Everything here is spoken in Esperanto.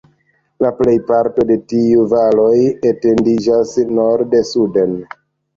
La plejparto de tiuj valoj etendiĝas norde-suden.